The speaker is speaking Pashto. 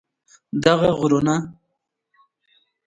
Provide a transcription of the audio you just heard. دغه غرونه